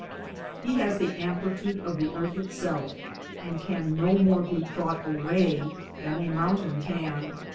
He has the amplitude of the Earth itself, and can no more be thought away than a mountain can.